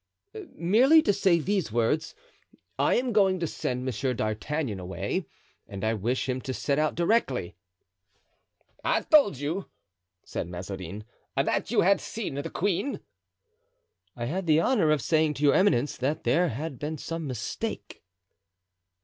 "Merely to say these words: 'I am going to send Monsieur d'Artagnan away and I wish him to set out directly.'" "I told you," said Mazarin, "that you had seen the queen." "I had the honor of saying to your eminence that there had been some mistake."